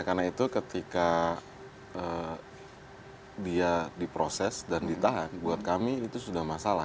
karena itu ketika dia diproses dan ditahan buat kami itu sudah masalah